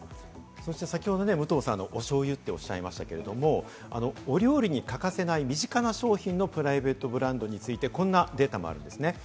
先ほど武藤さん、お醤油とおっしゃいましたけれども、お料理に欠かせない身近な商品のプライベートブランドについて、こんなデータもあります。